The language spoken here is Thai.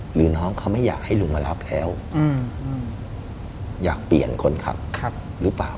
หรือน้องเขาไม่อยากให้ลุงมารับแล้วอยากเปลี่ยนคนขับหรือเปล่า